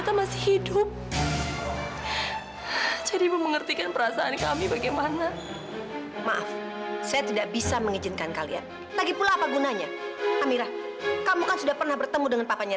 sampai jumpa di video selanjutnya